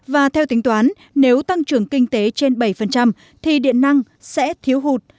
và theo tính toán nếu tăng trưởng kinh tế trên bảy thì điện năng sẽ thiếu hụt